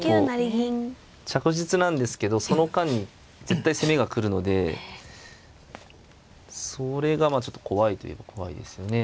着実なんですけどその間に絶対攻めが来るのでそれがちょっと怖いといえば怖いですよね。